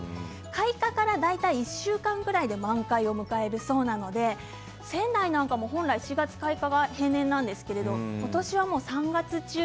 開花から大体１週間ぐらいで満開を迎えるそうなので仙台は本来４月開花が平年なんですが、今年は３月中。